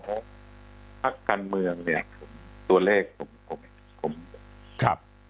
ของพระการเมืองเนี่ยตัวเลข